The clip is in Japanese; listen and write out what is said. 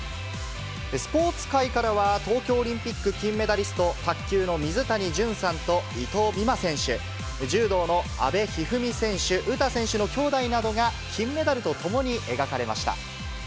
スポーツ界からは、東京オリンピック金メダリスト、卓球の水谷隼さんと伊藤美誠選手、柔道の阿部一二三選手、詩選手の兄妹などが金メダルと共に描かれました。